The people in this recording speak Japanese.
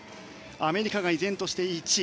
アメリカが依然として１位。